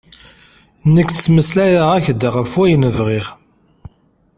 Nekk ttmeslayeɣ-ak-d ɣef wayen bɣiɣ.